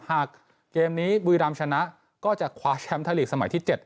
หากเกมนี้บุรีรำชนะก็จะคว้าแชมป์ไทยลีกสมัยที่๗